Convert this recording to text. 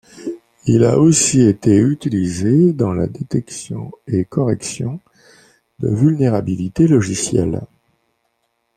Il a aussi été utilisé dans la détection et correction de vulnérabilités logicielles.